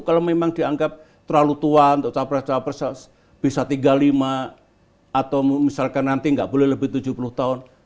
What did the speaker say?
kalau memang dianggap terlalu tua untuk capres capres bisa tiga puluh lima atau misalkan nanti nggak boleh lebih tujuh puluh tahun